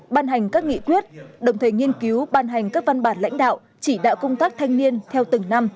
ban hành các nghị quyết đồng thời nghiên cứu ban hành các văn bản lãnh đạo chỉ đạo công tác thanh niên theo từng năm